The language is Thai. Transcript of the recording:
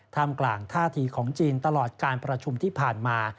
กลางท่าทีของจีนตลอดการประชุมที่ผ่านมา